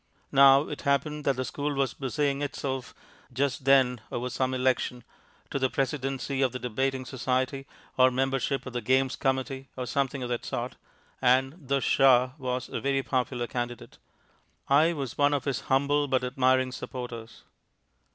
Now it happened that the school was busying itself just then over some election to the presidency of the Debating Society, or membership of the Games Committee, or something of that sort and "The Shah" was a very popular candidate. I was one of his humble but admiring supporters.